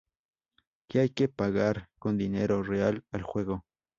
Que hay que pagar con dinero real al juego.